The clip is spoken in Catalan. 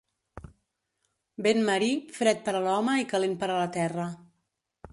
Vent marí, fred per a l'home i calent per a la terra.